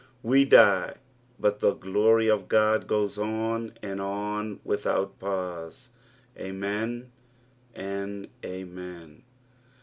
We die, but the glory of God goes oa and on without pause. " Amen and amen."